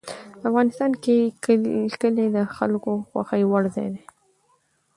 افغانستان کې کلي د خلکو خوښې وړ ځای دی.